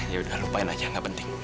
ya udah lupain aja gak penting